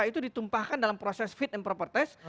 itu ditumpahkan dalam proses fit and proper test